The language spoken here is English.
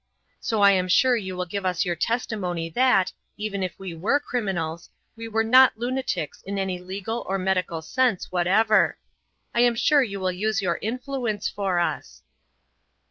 So I am sure you will give us your testimony that, even if we were criminals, we are not lunatics in any legal or medical sense whatever. I am sure you will use your influence for us."